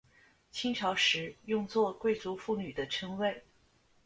清朝时用作贵族妇女的称谓。